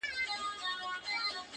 پر ازل مي غم امیر جوړ کړ ته نه وې،